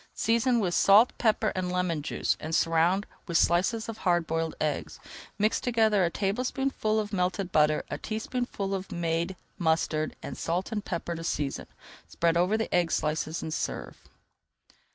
Season with salt, pepper, and lemon juice and surround with slices of hard boiled eggs. Mix together a tablespoonful of melted butter, a teaspoonful of made mustard, and [Page 288] salt and pepper to season. Spread over the egg slices and serve.